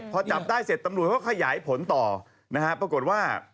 พอจับได้เสร็จตำรวจก็ขยายผลต่อนะฮะปรากฏว่า